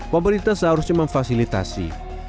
mobilitas seharusnya memfasilitasi